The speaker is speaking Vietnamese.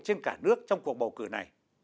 trên cả nước trong cuộc bầu cử này